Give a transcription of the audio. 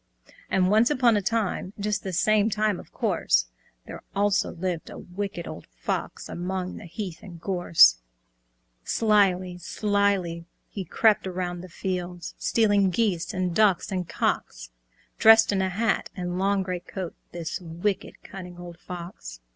And once upon a time Just the same time, of course, There also lived a Wicked Old Fox Among the heath and gorse. Silently, slyly, he crept round the fields, Stealing geese and ducks and cocks, Dressed in a hat and long great coat, This wicked, cunning old Fox.